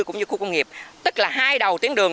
cũng như khu công nghiệp tức là hai đầu tuyến đường